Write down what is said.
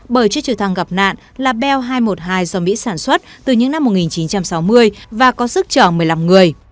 bởi chiếc trực thăng gặp nạn là bel hai trăm một mươi hai do mỹ sản xuất từ những năm một nghìn chín trăm sáu mươi và có sức trở một mươi năm người